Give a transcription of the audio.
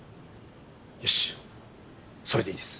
よしっそれでいいです。